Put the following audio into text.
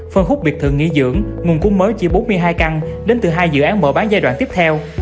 trong quý i năm hai nghìn hai mươi ba phân khúc biệt thượng nghỉ dưỡng nguồn cung mới chỉ bốn mươi hai căn đến từ hai dự án mở bán giai đoạn tiếp theo